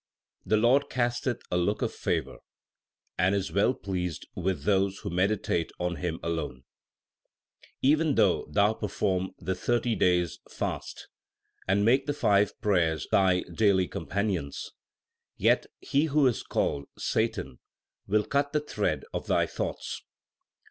The Lord casteth a look of favour, and is well pleased with those who meditate on Him alone. Even though thou perform the thirty days fast, and make the five prayers thy daily companions, yet he who is called Satan will cut the thread of thy thoughts.